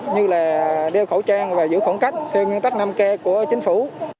như là đeo khẩu trang và giữ khoảng cách theo nguyên tắc năm k của chính phủ